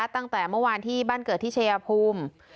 เมื่อวานที่บั้นเกิดที่เชยภูมิ